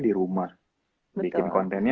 di rumah bikin kontennya